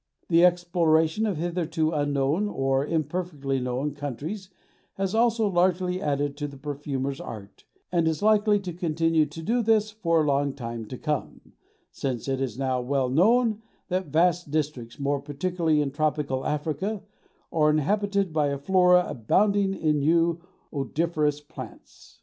The exploration of hitherto unknown or imperfectly known countries has also largely added to the perfumer's art, and is likely to continue to do this for a long time to come, since it is now well known that vast districts, more particularly in tropical Africa, are inhabited by a flora abounding in new odoriferous plants.